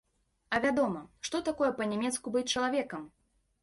А вядома, што такое па-нямецку быць чалавекам!